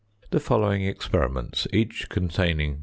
The following experiments, each containing